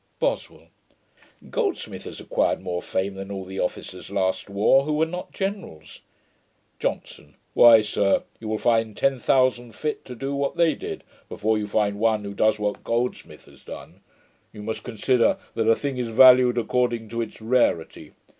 BOSWELL. 'Goldsmith has acquired more fame than all the officers last war, who were not Generals.' JOHNSON. 'Why, sir, you will find ten thousand fit to do what they did, before you find one who does what Goldsmith has done. You must consider, that a thing is valued according to its rarity.